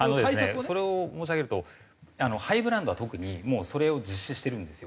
それを申し上げるとハイブランドは特にもうそれを実施してるんですよ。